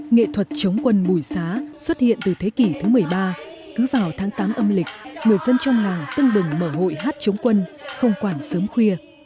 nghệ thuật chống quân bùi xá xuất hiện từ thế kỷ thứ một mươi ba cứ vào tháng tám âm lịch người dân trong làng tưng bừng mở hội hát chống quân không quản sớm khuya